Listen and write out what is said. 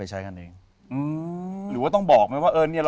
หรือว่าต้องบอกไหมว่าเนี่ย